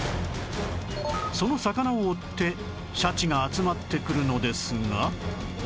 その魚を追ってシャチが集まってくるのですが